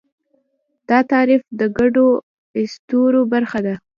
دا تعریف د ګډو اسطورو برخه ده.